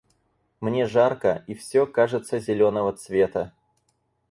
Мне жарко, и всё кажется зелёного цвета.